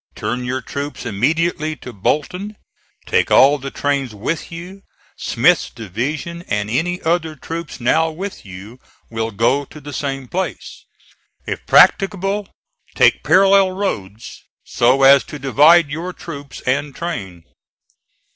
Turn your troops immediately to Bolton; take all the trains with you. Smith's division, and any other troops now with you, will go to the same place. If practicable, take parallel roads, so as to divide your troops and train."